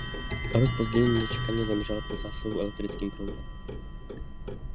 O rok později nečekaně zemřel po zásahu elektrickým proudem.